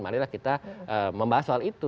marilah kita membahas soal itu